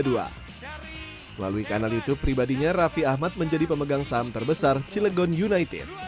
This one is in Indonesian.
melalui kanal youtube pribadinya raffi ahmad menjadi pemegang saham terbesar cilegon united